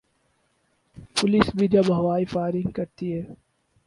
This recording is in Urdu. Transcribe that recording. پولیس بھی جب ہوائی فائرنگ کرتی ہے۔